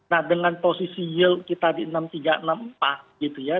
nah dengan posisi yield kita di enam tiga enam empat gitu ya